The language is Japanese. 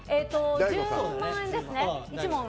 １０万円ですね。